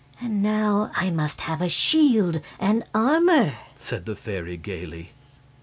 "And now I must have shield and armor," said the fairy, gaily.